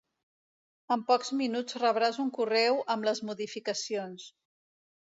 En pocs minuts rebràs un correu amb les modificacions.